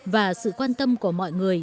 và sự quan tâm của mọi người